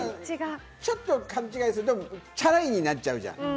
ちょっと勘違いするとチャラいになっちゃうじゃん。